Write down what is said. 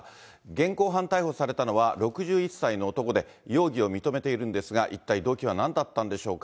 現行犯逮捕されたのは６１歳の男で、容疑を認めているんですが、一体動機はなんだったんでしょうか。